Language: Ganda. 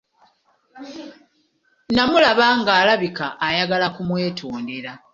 Namulaba ng'alabika ayagala kumwetondera.